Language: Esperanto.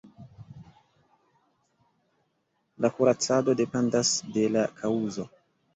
La kuracado dependas de la kaŭzo.